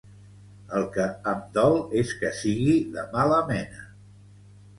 El que em dol és que sigui de mala mena.